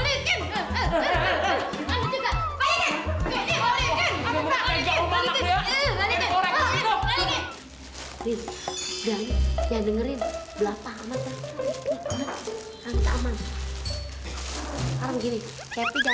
eh nyebut nyebut nyebut